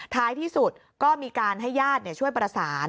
ท้ายที่สุดก็มีการให้ญาติช่วยประสาน